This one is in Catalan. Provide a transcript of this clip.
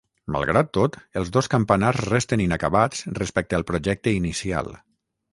Malgrat tot, els dos campanars resten inacabats respecte al projecte inicial.